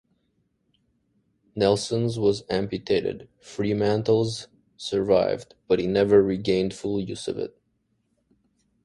Nelson's was amputated; Fremantle's survived, but he never regained full use of it.